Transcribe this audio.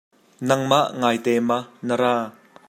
Nangmah ngaite ma na ra!